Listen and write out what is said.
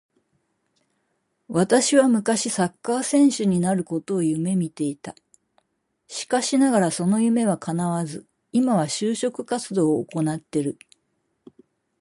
私は昔サッカー選手になることを夢見ていた。しかしながらその夢は叶わず、今は就職活動を行ってる。